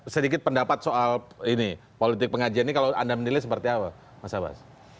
sedikit pendapat soal ini politik pengajian ini kalau anda menilai seperti apa mas abbas